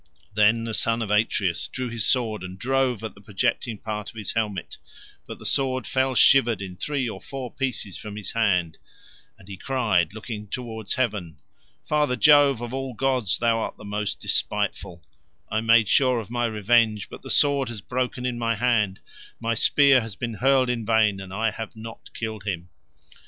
Then the son of Atreus drew his sword, and drove at the projecting part of his helmet, but the sword fell shivered in three or four pieces from his hand, and he cried, looking towards Heaven, "Father Jove, of all gods thou art the most despiteful; I made sure of my revenge, but the sword has broken in my hand, my spear has been hurled in vain, and I have not killed him."